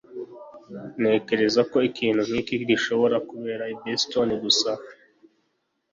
Ntekereza ko ikintu nkiki gishobora kubera i Boston gusa.